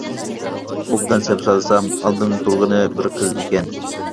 ئوبدان سەپسالسام، ئالدىمدا تۇرغىنى بىر قىز ئىكەن.